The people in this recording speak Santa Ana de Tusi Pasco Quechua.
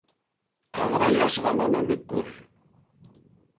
Aqrayashqa mana mikur.